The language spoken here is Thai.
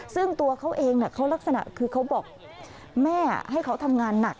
ซึ่งตัวเขาเองเขาลักษณะคือเขาบอกแม่ให้เขาทำงานหนัก